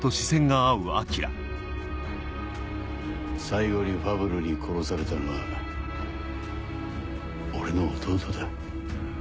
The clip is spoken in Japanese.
最後にファブルに殺されたのは俺の弟だ。